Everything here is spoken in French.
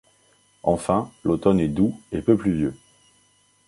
Enfin, l'automne est doux et peu pluvieux.